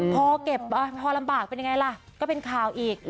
พอเก็บพอลำบากเป็นยังไงล่ะก็เป็นข่าวอีก